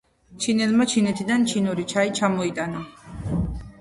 ჩინელმა ჩინეთიდან, ჩინური ჩაი ჩამოიტანა